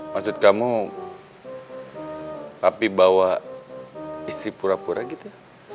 maksud kamu tapi bawa istri pura pura gitu